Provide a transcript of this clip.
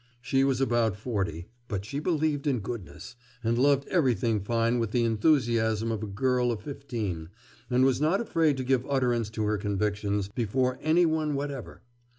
She was about forty; but she believed in goodness, and loved everything fine with the enthusiasm of a girl of fifteen, and was not afraid to give utterance to her convictions before any one whatever.